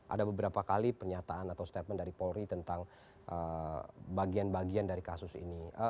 ada beberapa kali pernyataan atau statement dari polri tentang bagian bagian dari kasus ini